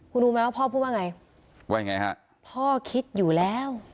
คุณรู้ไหมว่าพ่อพูดว่าไงว่ายังไงฮะพ่อคิดอยู่แล้ว